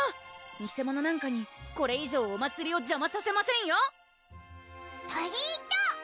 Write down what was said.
偽者なんかにこれ以上お祭りを邪魔させませんよ！とりーと！